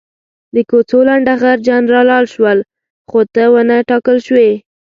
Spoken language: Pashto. د کوڅو لنډه غر جنرالان شول، خو ته ونه ټاکل شوې.